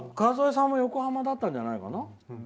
さんも横浜だったんじゃないかな。